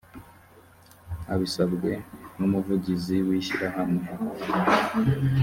abisabwe n umuvugizi w ishyirahamwe